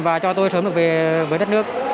và cho tôi sớm được về với đất nước